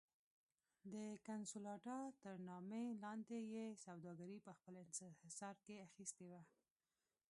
د کنسولاډا تر نامه لاندې یې سوداګري په خپل انحصار کې اخیستې وه.